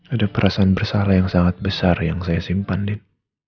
ada perasaan bersalah yang sangat besar yang saya simpan di